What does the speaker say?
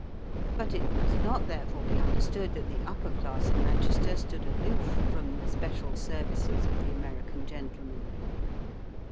But it must not therefore be understood that the upper class in Manchester stood aloof from the special services of the American gentlemen.